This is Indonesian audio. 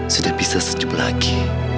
sudah bisa senjub lagi